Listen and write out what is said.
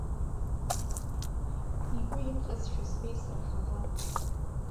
Игәы имҟьазшәа збеит сара ҳаӷа.